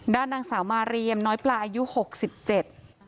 ด้านนางสาวมาเรียมน้อยปลาอายุหกสิบเจ็ด